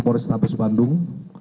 polsek tapas bandung